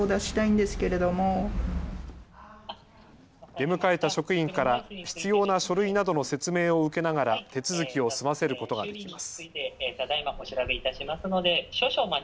出迎えた職員から必要な書類などの説明を受けながら手続きを済ませることができます。